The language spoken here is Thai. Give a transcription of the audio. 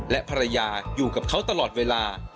และภรรยาอยู่กับเขาตลอดเวลา